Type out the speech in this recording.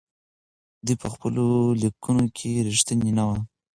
دوی په خپلو ليکنو کې رښتيني نه وو.